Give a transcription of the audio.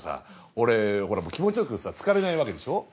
俺ほら気持ち良くつかれないわけでしょ？